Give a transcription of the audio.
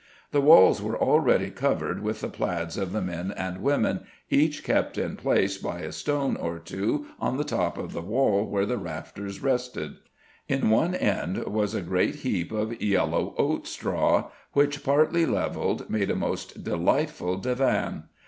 The walls were already covered with the plaids of the men and women, each kept in place by a stone or two on the top of the wall where the rafters rested. In one end was a great heap of yellow oat straw, which, partly levelled, made a most delightful divan.